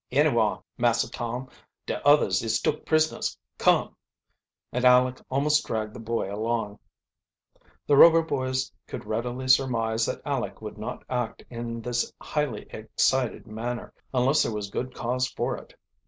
"Anywhar, Massah Tom. De others is took prisoners! Come!" And Aleck almost dragged the boy along. The Rover boys could readily surmise that Aleck would not act in this highly excited manner unless there was good cause for it.